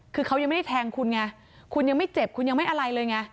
คือเขายังไม่ได้แทงคุณไงคุณยังไม่เจ็บคุณยังไม่อะไรเลยไง